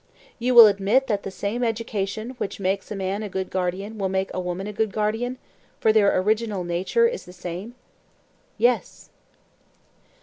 You will admit that the same education which makes a man a good guardian will make a woman a good guardian; for their original nature is the same? Yes.